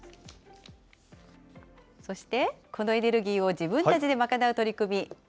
そしてこのエネルギーを自分たちで賄う取り組み。